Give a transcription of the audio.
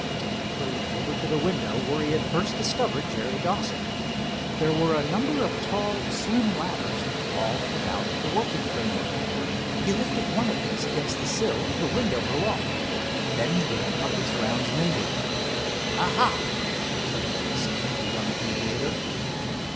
Dave hurried over to the window where he had first discovered Jerry Dawson. There were a number of tall, slim ladders all about the working framework. He lifted one of these against the sill of the window aloft. Then he ran up its rounds nimbly. "Aha!" suddenly exclaimed the young aviator.